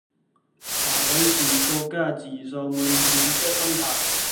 或許是各家自掃門前雪的心態